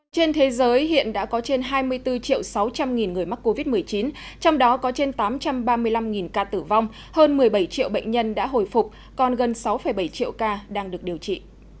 trên thế giới hiện đã có trên hai mươi bốn triệu sáu trăm linh nghìn người mắc covid một mươi chín trong đó có trên tám trăm ba mươi năm ca tử vong hơn một mươi bảy triệu bệnh nhân đã hồi phục còn gần sáu bảy triệu ca đang được điều trị